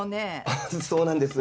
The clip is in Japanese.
あっそうなんです。